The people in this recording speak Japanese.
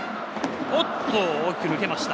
大きく抜けました。